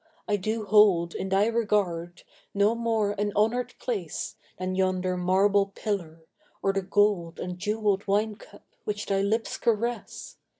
I do hold, In thy regard, no more an honoured place Than yonder marble pillar, or the gold And jewelled wine cup which thy lips caress.